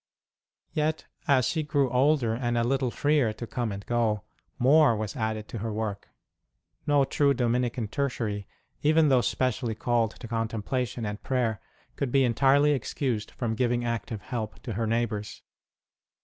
Yet, as she grew older and a little freer to come and go, more was added to her work. No true Dominican Tertiary, even though specially called to contemplation and prayer, could be entirely excused from giving active help to her neighbours.